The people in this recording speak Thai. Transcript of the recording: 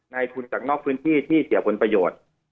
ในทุนจากนอกพื้นที่ที่เสียผลประโยชน์